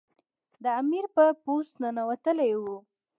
د امیر په پوست ننوتلی وو.